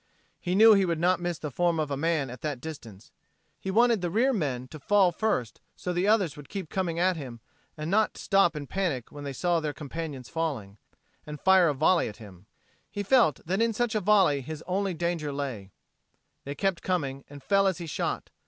He knew he would not miss the form of a man at that distance. He wanted the rear men to fall first so the others would keep coming at him and not stop in panic when they saw their companions falling, and fire a volley at him. He felt that in such a volley his only danger lay. They kept coming, and fell as he shot.